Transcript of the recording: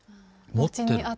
持ってる？